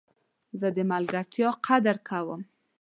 زه د ملګرتیا قدر کوم.